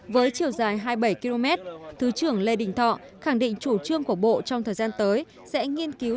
với chiều dài hai mươi bảy km thứ trưởng lê đình thọ khẳng định chủ trương của bộ trong thời gian tới sẽ nghiên cứu